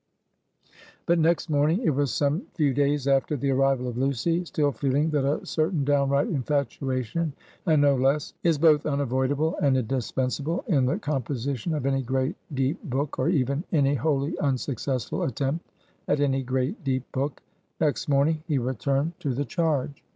But next morning it was some few days after the arrival of Lucy still feeling that a certain downright infatuation, and no less, is both unavoidable and indispensable in the composition of any great, deep book, or even any wholly unsuccessful attempt at any great, deep book; next morning he returned to the charge.